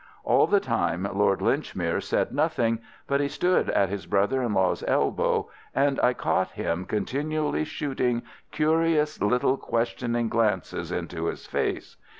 All the time Lord Linchmere said nothing, but he stood at his brother in law's elbow, and I caught him continually shooting curious little, questioning glances into his face.